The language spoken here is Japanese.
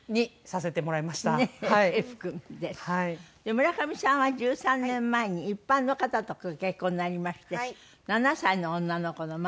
村上さんは１３年前に一般の方とご結婚になりまして７歳の女の子のママ。